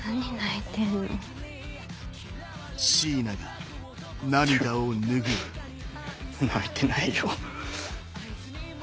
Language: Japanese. いや泣いてないよ。